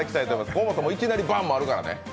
河本さん、いきなりバンもあるからね。